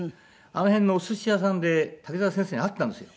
あの辺のお寿司屋さんで滝沢先生に会ったんですよ。